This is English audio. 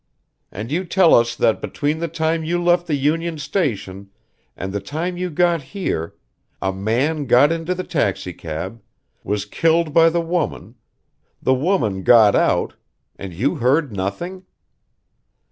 "And you tell us that between the time you left the Union Station and the time you got here a man got into the taxicab, was killed by the woman, the woman got out, and you heard nothing?"